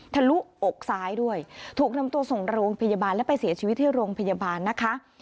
ลุอกซ้ายด้วยถูกนำตัวส่งโรงพยาบาลและไปเสียชีวิตที่โรงพยาบาลนะคะ